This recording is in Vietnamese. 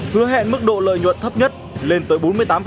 hứa hẹn mức độ lợi nhuận thấp nhất lên tới bốn mươi tám